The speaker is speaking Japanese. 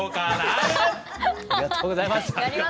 ありがとうございます。